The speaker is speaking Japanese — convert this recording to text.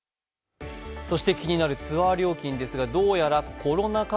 気になるツアー料金ですがどうやらコロナ禍